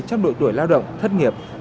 trong đội tuổi lao động thất nghiệp